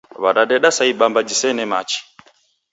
Wadadeda sa ibamba jisene machi.